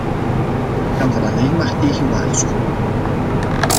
Ik kan daar alleen maar tegen waarschuwen!